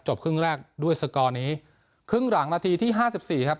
ครึ่งแรกด้วยสกอร์นี้ครึ่งหลังนาทีที่ห้าสิบสี่ครับ